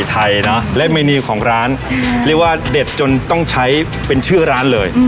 นะและเมนูของร้านเรียกว่าเด็ดจนต้องใช้เป็นชื่อร้านเลย